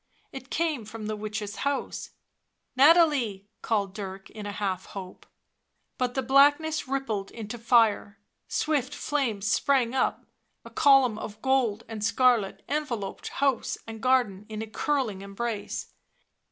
It came from the witch's house. " Nathalie !" called Dirk in a half hope. But the blackness rippled into fire, swift flames sprang up, a column of gold and scarlet enveloped house and garden in a curling embrace.